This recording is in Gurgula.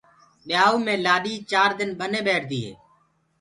ٻيآئوٚ مي لآڏي چآر دن ٻني ٻيٺديٚ هي۔